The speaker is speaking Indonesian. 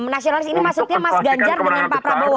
nasionalis ini maksudnya mas ganjar dengan pak prabowo